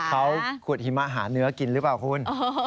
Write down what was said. เขาขุดหิมะหาเนื้อกินหรือเปล่าคุณ